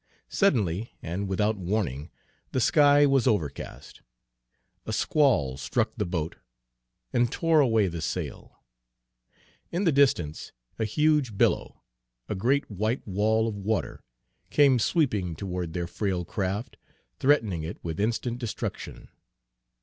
Suddenly and without warning the sky was overcast. A squall struck the boat and tore away the sail. In the distance a huge billow a great white wall of water came sweeping toward their frail craft, threatening it with instant destruction.